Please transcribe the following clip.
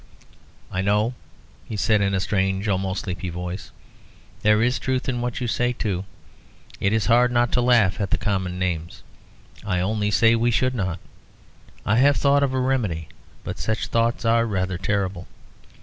"I know," he said, in a strange, almost sleepy voice, "there is truth in what you say, too. It is hard not to laugh at the common names I only say we should not. I have thought of a remedy; but such thoughts are rather terrible."